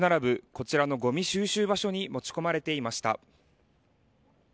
こちらのごみ収集場所に持ち込まれていました。